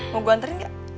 mau gue anterin gak